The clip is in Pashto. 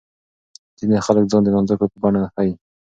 ځینې خلک ځان د نانځکو په بڼه ښيي.